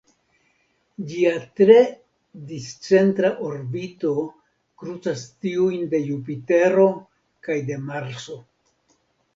Ĝia tre discentra orbito krucas tiujn de Jupitero kaj de Marso.